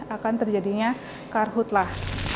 akan terjadinya karhutlah